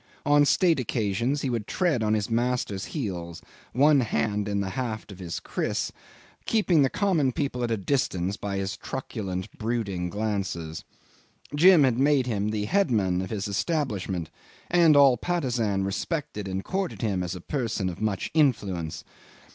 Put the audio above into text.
On state occasions he would tread on his master's heels, one hand on the haft of his kriss, keeping the common people at a distance by his truculent brooding glances. Jim had made him the headman of his establishment, and all Patusan respected and courted him as a person of much influence.